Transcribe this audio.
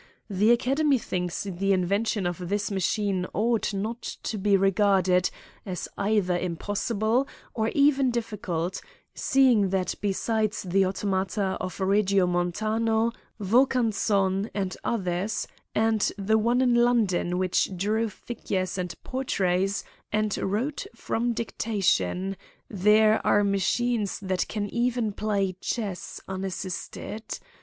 The Academy thinks the invention of this machine ought not to be regarded as either impos 26 PRIZE COMPETITION ANNOUNCED BY sible, or even very difficult, seeing that besides the auto mata of Eegiomontano, Vaucanson, and others, and the one in London which drew figures and portraits, and wrote from dictation, there are machines that can even play chess unassisted.